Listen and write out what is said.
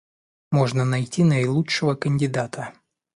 Можно найти наилучшего кандидата